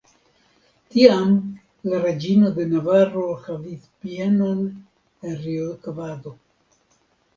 Tiam la reĝino de Navaro havis bienon en Riocavado.